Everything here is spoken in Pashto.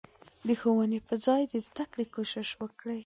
د ښوونې په ځای د زدکړې کوشش وکړي.